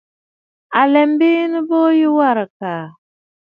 À lɛ biinə bo yu warə̀ àkàà.